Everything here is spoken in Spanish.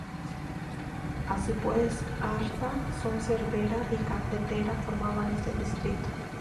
Así pues, Artá, Son Servera y Capdepera formaban este distrito.